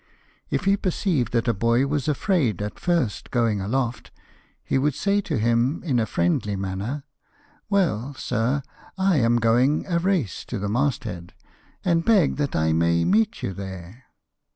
If he perceived that a boy was afraid at first going aloft, he would say to him, in a friendly manner :" Well, sir, I am going a race to the masthead, and beg that I may meet you there."